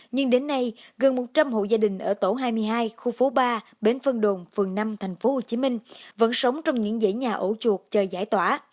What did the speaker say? nhưng đến nay gần một trăm linh hộ gia đình ở tổ hai mươi hai khu phố ba bến vân đồn phường năm tp hcm vẫn sống trong những dãy nhà ổ chuột chờ giải tỏa